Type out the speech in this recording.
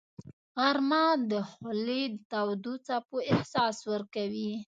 غرمه د خولې تودو څپو احساس ورکوي